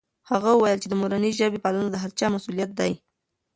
هغه وویل چې د مورنۍ ژبې پالنه د هر چا مسؤلیت دی.